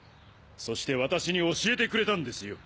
そして私に教えてくれたんですよ。